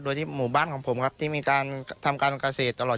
โดยที่หมู่บ้านของผมครับที่มีการทำการเกษตรตลอด